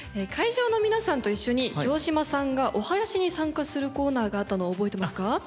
会場の皆さんと一緒に城島さんがおはやしに参加するコーナーがあったの覚えてますか？